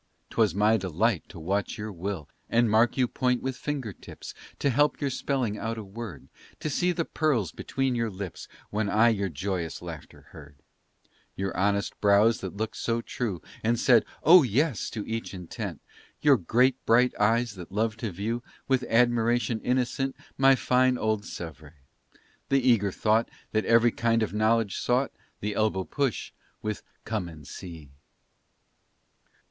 'Twas my delight to watch your will, And mark you point with finger tips To help your spelling out a word; To see the pearls between your lips When I your joyous laughter heard; Your honest brows that looked so true, And said "Oh, yes!" to each intent; Your great bright eyes, that loved to view With admiration innocent My fine old Sèvres; the eager thought That every kind of knowledge sought; The elbow push with "Come and see!"